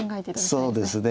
そうですね。